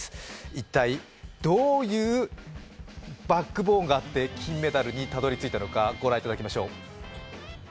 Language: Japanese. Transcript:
一体、どういうバックボーンがあって金メダルにたどり着いたのかご覧いただきましょう。